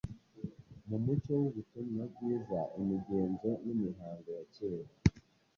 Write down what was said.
Mu mucyo w’ubutumwa bwiza, imigenzo n’imihango ya kera